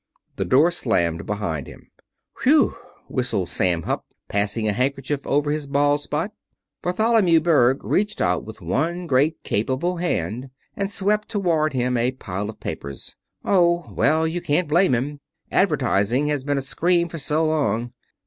The door slammed behind him. "Whew!" whistled Sam Hupp, passing a handkerchief over his bald spot. Bartholomew Berg reached out with one great capable hand and swept toward him a pile of papers. "Oh, well, you can't blame him. Advertising has been a scream for so long.